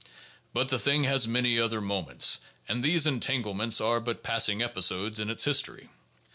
But the thing has many other moments, and these entanglements are but passing episodes in its history.